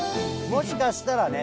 もしかしたらね